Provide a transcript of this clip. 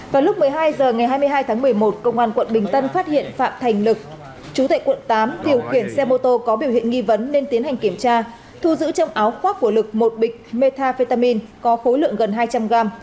vào lúc một mươi hai h ngày hai mươi hai tháng một mươi một công an quận bình tân phát hiện phạm thành lực chú tại quận tám điều khiển xe mô tô có biểu hiện nghi vấn nên tiến hành kiểm tra thu giữ trong áo khoác của lực một bịch metafetamin có khối lượng gần hai trăm linh g